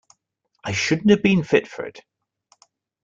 I shouldn't have been fit for it.